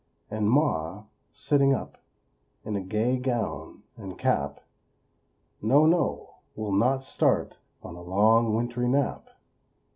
And "Ma," sitting up, In gay gown, and cap, No, no! Will not start On a long wintry nap!